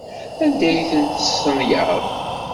Anda ay ten-testenyaḍ?